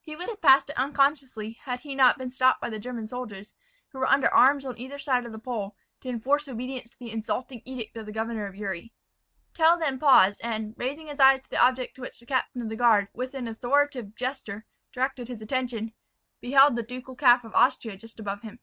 He would have passed it unconsciously had he not been stopped by the German soldiers, who were under arms on either side the pole, to enforce obedience to the insulting edict of the governor of Uri. Tell then paused, and, raising his eyes to the object to which the captain of the guard, with an authoritative gesture, directed his attention, beheld the ducal cap of Austria just above him.